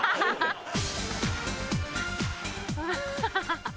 ハハハハ！